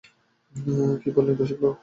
কী বলেন রসিকবাবু!